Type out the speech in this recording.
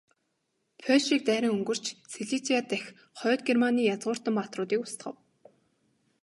Польшийг дайран өнгөрч, Сайлижиа дахь Хойд Германы язгууртан баатруудыг устгав.